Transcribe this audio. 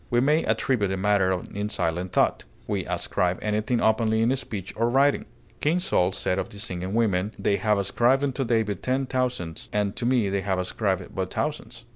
We may attribute a matter in silent thought; we ascribe anything openly in speech or writing; King Saul said of the singing women, "They have ascribed unto David ten thousands, and to me they have ascribed but thousands."